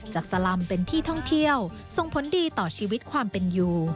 สลำเป็นที่ท่องเที่ยวส่งผลดีต่อชีวิตความเป็นอยู่